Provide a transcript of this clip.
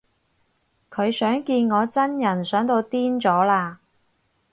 佢想見我真人想到癲咗喇